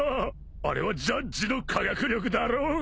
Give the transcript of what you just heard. あれはジャッジの科学力だろ？